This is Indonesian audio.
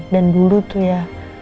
dan dulu tuh ya